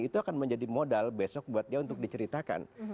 itu akan menjadi modal besok buat dia untuk diceritakan